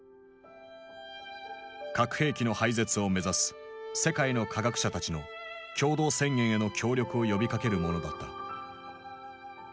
核兵器の廃絶を目指す世界の科学者たちの共同宣言への協力を呼びかけるものだった。